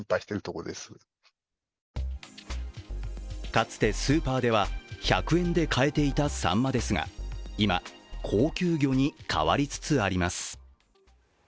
かつてスーパーでは１００円で買えていたさんまですが今、高級魚に変わりつつあります。